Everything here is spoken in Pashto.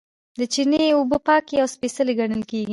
د چینې اوبه پاکې او سپیڅلې ګڼل کیږي.